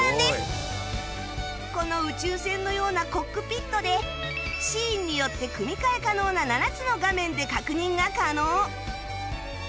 この宇宙船のようなコックピットでシーンによって組み替え可能な７つの画面で確認が可能